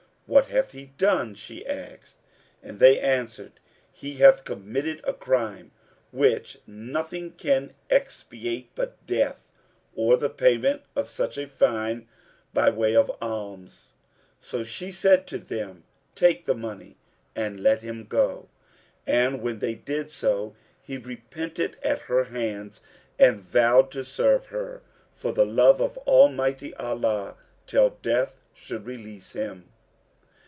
"What hath he done?" she asked, and they answered, "He hath committed a crime, which nothing can expiate but death or the payment of such a fine by way of alms." So she said to them, "Take the money and let him go;" and, when they did so, he repented at her hands and vowed to serve her, for the love of Almighty Allah till death should release him.